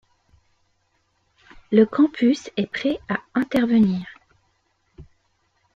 Le Campus est prêt à intervenir.